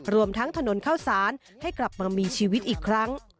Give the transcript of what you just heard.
รวมทั้งถนนข้าวสารให้กลับมามีชีวิตอีกครั้ง